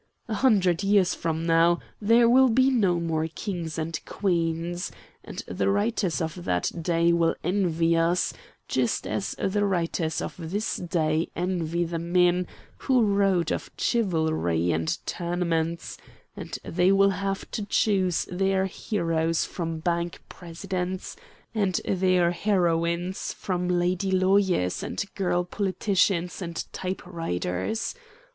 A hundred years from now there will be no more kings and queens, and the writers of that day will envy us, just as the writers of this day envy the men who wrote of chivalry and tournaments, and they will have to choose their heroes from bank presidents, and their heroines from lady lawyers and girl politicians and type writers.